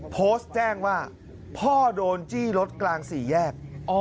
โพสต์แจ้งว่าพ่อโดนจี้รถกลางสี่แยก